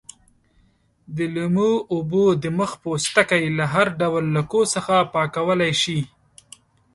د لیمو اوبه د مخ پوستکی له هر ډول لکو څخه پاکولای شي.